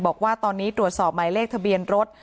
บอกว่าตอนนี้ตรวจสอบหมายเลขทะเบียนรถ